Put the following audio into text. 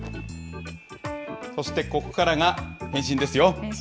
そしてここからが変身ですよ。